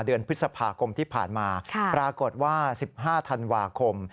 เดือนพฤษภาคมที่ผ่านมาปรากฏว่า๑๕ธันวาคม